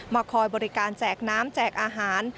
คอยบริการแจกน้ำแจกอาหาร